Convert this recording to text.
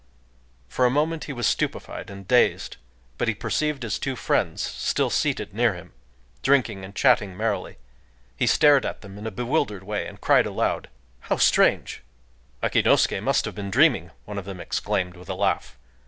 For a moment he was stupefied and dazed. But he perceived his two friends still seated near him,—drinking and chatting merrily. He stared at them in a bewildered way, and cried aloud,— "How strange!" "Akinosuké must have been dreaming," one of them exclaimed, with a laugh.